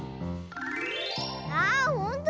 あほんとだ。